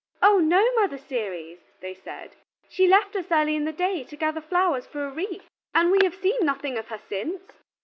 "Oh no, Mother Ceres," they said, "she left us early in the day to gather flowers for a wreath, and we have seen nothing of her since."